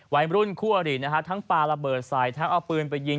วัยรุ่นคู่อรินะฮะทั้งปลาระเบิดใส่ทั้งเอาปืนไปยิง